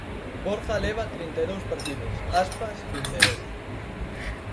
Borja leva trinta e dous partidos, Aspas vinte e dous.